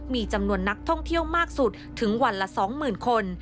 มีจำนวนนักท่องเที่ยวมากสุดถึงวันละ๒๐๐๐คน